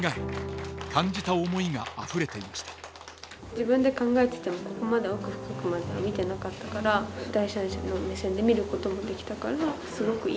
自分で考えててもここまで奥深くまでは見てなかったから第三者の目線で見ることもできたからすごくいい機会だったなって思ってます。